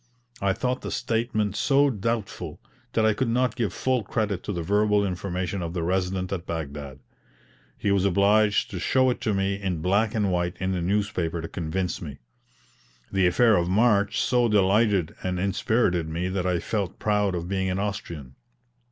I thought the statement so doubtful, that I could not give full credit to the verbal information of the Resident at Baghdad; he was obliged to show it to me in black and white in the newspaper to convince me. The affair of March so delighted and inspirited me that I felt proud of being an Austrian.